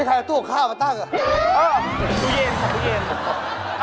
เออผู้เย็นค่ะผู้เย็น